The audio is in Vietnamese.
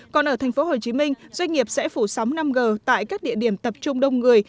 còn ở tp hcm doanh nghiệp sẽ phủ sóng năm g tại các địa điểm tập trung đông người